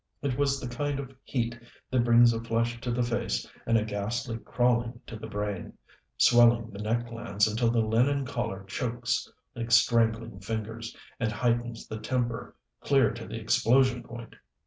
It was the kind of heat that brings a flush to the face and a ghastly crawling to the brain, swelling the neck glands until the linen collar chokes like strangling fingers, and heightens the temper clear to the explosion point.